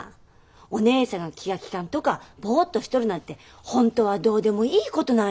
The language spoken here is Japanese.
お義姉さんが気が利かんとかぼっとしとるなんてほんとはどうでもいいことなんよ。